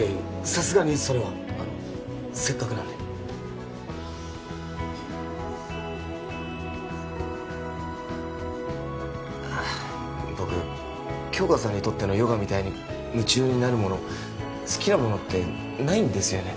さすがにそれはあのせっかくなんであっ僕杏花さんにとってのヨガみたいに夢中になるもの好きなものってないんですよね